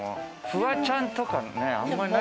フワちゃんとかね。